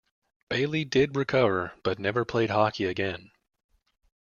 Bailey did recover, but never played hockey again.